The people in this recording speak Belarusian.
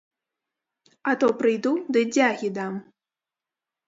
А то прыйду ды дзягі дам!